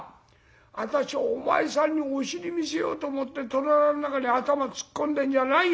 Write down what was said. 私お前さんにお尻見せようと思って戸棚の中に頭突っ込んでんじゃないよ。